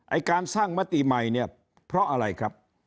การสร้างมติใหม่เนี่ยเพราะอะไรครับ